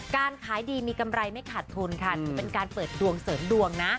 การขายดีมีกำไรไม่ขาดทุนค่ะถือเป็นการเปิดดวงเสริมดวงนะ